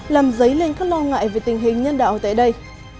làm dấy lên các lo ngại về tình hình nhân đạo tại đây